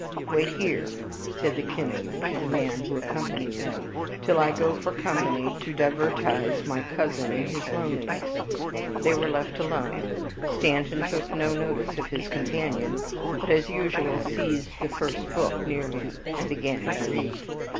"Wait here," said the kinsman, to the man who accompanied them, "till I go for company to divertise my cousin in his loneliness." They were left alone. Stanton took no notice of his companion, but as usual seized the first book near him, and began to read.